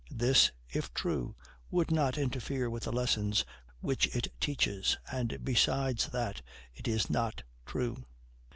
This, if true, would not interfere with the lessons which it teaches; and, besides that, it is not true.